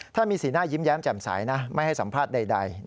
ถ้ามีสีหน้ายิ้มแย้มแจ่มใสนะไม่ให้สัมภาษณ์ใด